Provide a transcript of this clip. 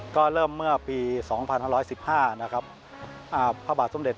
ก็เริ่มเมื่อปี๒๑๑๕พระบาทสมเด็จพระเจ้าอย่างหัว